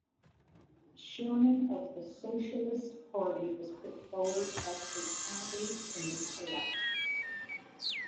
Sherman of the Socialist Party was put forward as a candidate in this election.